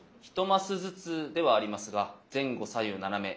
１マスずつではありますが前後左右斜め